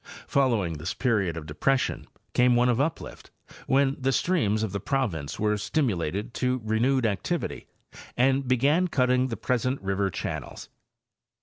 Following this period of depression came one of uplift, when the streams of the province were stimulated to renewed activity and began cutting the present river channels.